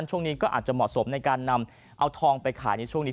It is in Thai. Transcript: ช่วงนี้ก็อาจจะเหมาะสมในการนำเอาทองไปขายในช่วงนี้